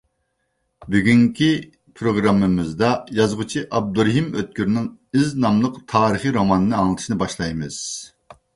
بۈگۈنكى پروگراممىمىزدا يازغۇچى ئابدۇرېھىم ئۆتكۈرنىڭ ئىز ناملىق تارىخى رومانىنى ئاڭلىتىشنى باشلايمىز.